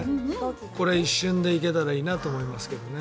これ、一瞬で行けたらいいなと思いますけどね。